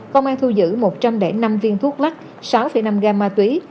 công an thu giữ một trăm linh năm viên thuốc lắc sáu năm gam ma túy